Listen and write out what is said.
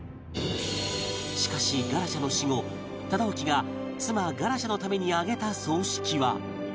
しかしガラシャの死後忠興が妻ガラシャのために挙げた葬式は